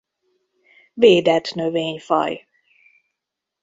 Védett növényfaj.